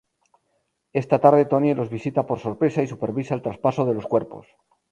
Esa tarde, Tony los visita por sorpresa y supervisa el traspaso de los cuerpos.